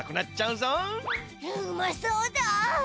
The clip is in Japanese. うまそうだ。